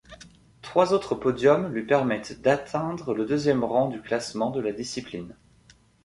Trois autres podiums lui permettent d'atteindre le deuxième rang du classement de la discipline.